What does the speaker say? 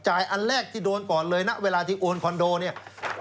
อันแรกที่โดนก่อนเลยนะเวลาที่โอนคอนโดเนี่ย